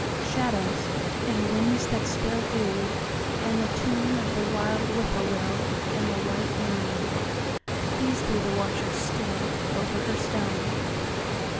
Shadows, and winds that spillDew, and the tuneOf the wild whippoorwill, And the white moon,—These be the watchers stillOver her stone.